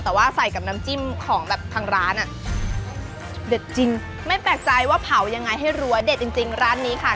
แต่ว่าใส่กับน้ำจิ้มของแบบทางร้านอ่ะเด็ดจริงไม่แปลกใจว่าเผายังไงให้รั้วเด็ดจริงจริงร้านนี้ค่ะ